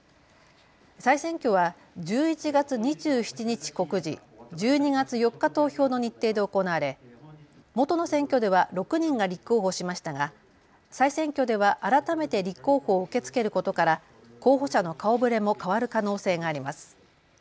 再選挙は１１月２７日告示、１２月４日投票の日程で行われ元の選挙では６人が立候補しましたが再選挙では改めて立候補を受け付けることから候補者の顔ぶれも変わる可能性があります。